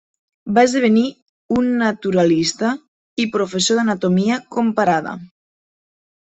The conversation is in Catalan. Va esdevenir un naturalista i professor d'Anatomia comparada.